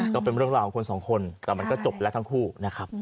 ก็เป็นเรื่องราวของคนสองคนแต่มันก็จบแล้วทั้งคู่นะครับ